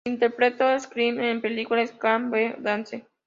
Él interpretó a Slick Willy en la película "Shall We Dance?